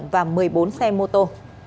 và một mươi bốn xe mô tô